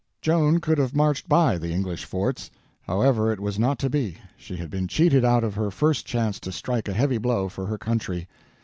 Joan could have marched by the English forts. However, it was not to be. She had been cheated out of her first chance to strike a heavy blow for her country.